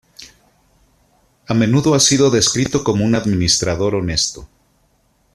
A menudo ha sido descrito como un administrador honesto.